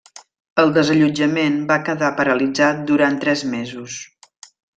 El desallotjament va quedar paralitzat durant tres mesos.